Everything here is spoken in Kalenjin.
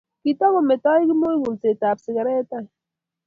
Kotakometoi Kimoi kulset ap sigaret ain.